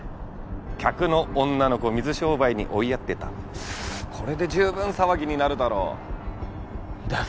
客の女の子水商売に追いやってたこれで十分騒ぎになるだろなんだよ？